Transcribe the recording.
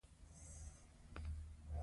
پېغله خوب لیدلی وایي.